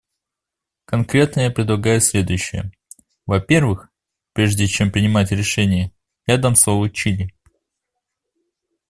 Конкретно я предлагаю следующее: во-первых, прежде чем принимать решение, я дам слово Чили.